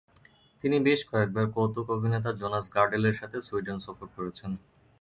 তিনি বেশ কয়েকবার কৌতুকাভিনেতা জোনাস গার্ডেলের সাথে সুইডেন সফর করেছেন।